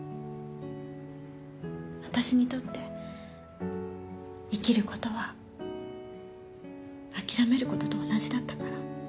私にとって生きる事は諦める事と同じだったから。